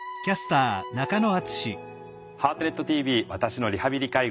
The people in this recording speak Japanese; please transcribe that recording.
「ハートネットＴＶ私のリハビリ・介護」。